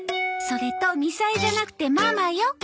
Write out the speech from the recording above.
それと「みさえ」じゃなくて「ママ」よ。